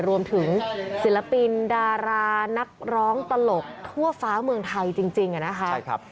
ศิลปินดารานักร้องตลกทั่วฟ้าเมืองไทยจริงนะคะ